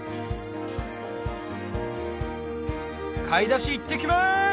「買い出しいってきます」